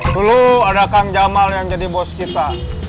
dulu ada kang jamal yang jadi bos kita